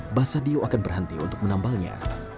mbah sadio akan berhenti untuk menambalnya